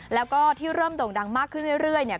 แล้วก็ที่เริ่มโด่งดังมากขึ้นเรื่อยเนี่ย